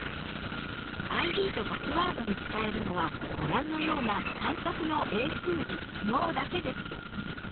ＩＤとパスワードに使えるのはご覧のような半角の英数字・記号だけです。